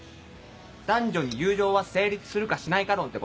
男女に友情は成立するかしないか論ってこと？